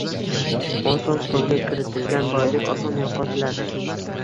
Oson qo‘lga kiritilgan boylik oson yo‘qotiladi.